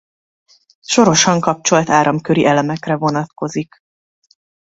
Sorosan kapcsolt áramköri elemekre vonatkozik.